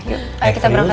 yuk ayo kita berangkat